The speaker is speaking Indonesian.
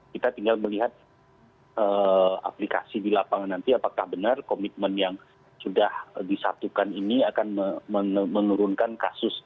kita tinggal melihat aplikasi di lapangan nanti apakah benar komitmen yang sudah disatukan ini akan menurunkan kasus